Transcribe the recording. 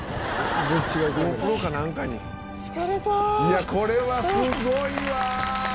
いやこれはすごいわ！